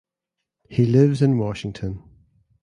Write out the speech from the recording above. He lives in Washington.